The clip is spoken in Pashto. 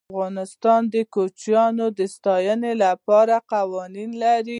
افغانستان د کوچیان د ساتنې لپاره قوانین لري.